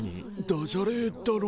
ダジャレだろ。